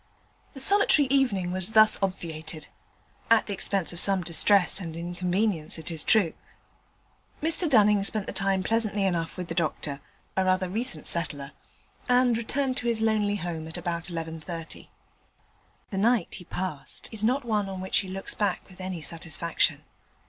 The solitary evening was thus obviated; at the expense of some distress and inconvenience, it is true. Mr Dunning spent the time pleasantly enough with the doctor (a rather recent settler), and returned to his lonely home at about 11.30. The night he passed is not one on which he looks back with any satisfaction.